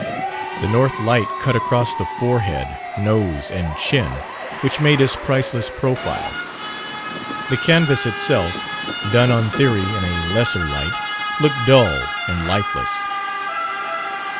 The north light cut across the forehead, nose and chin which made his priceless profile. The canvas itself, done on theory in a lesser light, looked dull and lifeless.